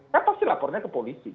kan pasti lapornya ke polisi